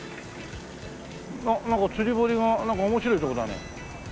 あっなんか釣り堀がなんか面白いとこだね。